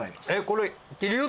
これ。